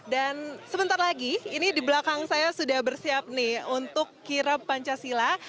dan sebentar lagi ini di belakang saya sudah bersiap nih untuk kiram pancasila